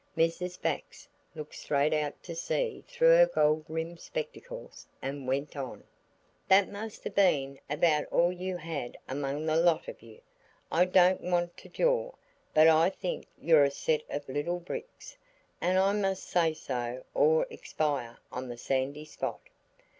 Mrs. Bax looked straight out to sea through her gold rimmed spectacles, and went on– "That must have been about all you had among the lot of you. I don't want to jaw, but I think you're a set of little bricks, and I must say so or expire on the sandy spot."